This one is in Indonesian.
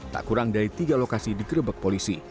tak kurang dari tiga lokasi digerebek polisi